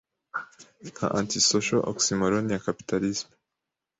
nka antisocial oxymoron ya capitalism.